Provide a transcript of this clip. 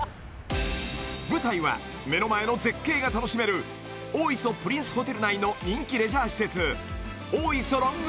舞台は目の前の絶景が楽しめる大磯プリンスホテル内の人気レジャー施設